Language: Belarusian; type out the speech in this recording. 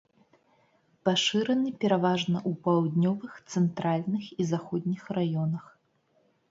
Пашыраны пераважна ў паўднёвых, цэнтральных і заходніх раёнах.